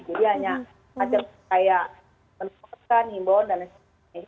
jadi hanya hanya kayak penumpukan imbon dan lain sebagainya